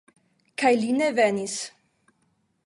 Kaj li ne venis!